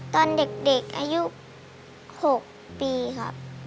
ตอนเด็กอายุ๖ปีครับ